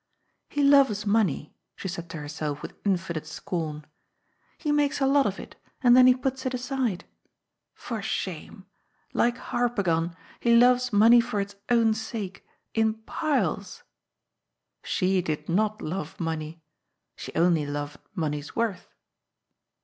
"He loves money," she said to herself with infinite scorn. " He makes a lot of it, and then he puts it aside. For shame ! like Harpagon, he loves money for its own sake — in piles !" She did not love money. She only loved money's worth.